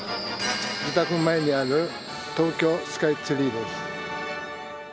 自宅前にある東京スカイツリーです。